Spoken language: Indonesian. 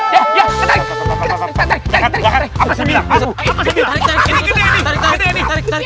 yah yah tarik tarik tarik